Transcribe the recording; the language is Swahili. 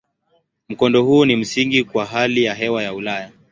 Mkondo huu ni msingi kwa hali ya hewa ya Ulaya.